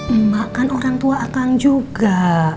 emak kan orang tua akang juga